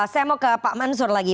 saya mau ke pak mansur lagi